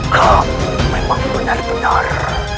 kamu memang benar benar